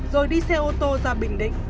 rồi đi xe ô tô ra bình định